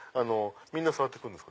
みんな触ってくんです。